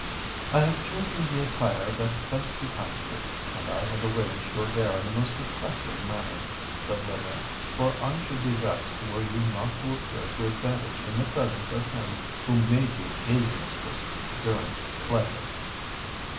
"I have chosen the attire that best becomes you—and I have arranged your hair in the most attractive manner," said Lydia; "for I should be vexed were you not to appear to advantage in the presence of him who made you his mistress during pleasure."